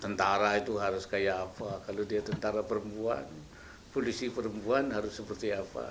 tentara itu harus kayak apa kalau dia tentara perempuan polisi perempuan harus seperti apa